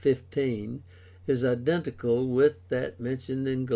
15, is identical with that mentioned in Gal.